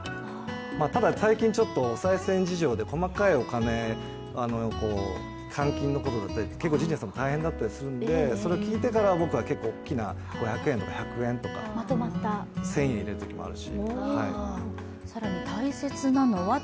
ただ最近、おさい銭事情で細かいお金を換金するのが結構神社さんも大変だったりするんで、それ聞いてから僕は結構大きな、５００円とか１００円とか、１０００円を入れるときもあるし。